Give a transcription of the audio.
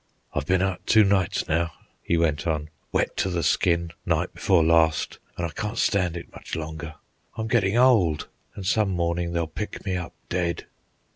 "I've been out two nights now," he went on; "wet to the skin night before last, an' I can't stand it much longer. I'm gettin' old, an' some mornin' they'll pick me up dead."